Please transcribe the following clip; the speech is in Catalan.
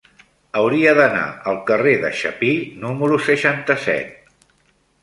Hauria d'anar al carrer de Chapí número seixanta-set.